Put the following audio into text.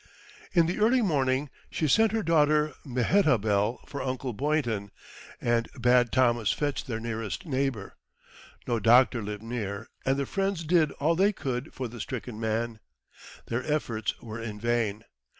In the early morning she sent her daughter Mehetabel for Uncle Boynton, and bade Thomas fetch their nearest neighbour. No doctor lived near, and the friends did all they could for the stricken man. Their efforts were in vain.